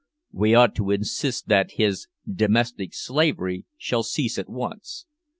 We ought to insist that his "domestic slavery" shall cease at once.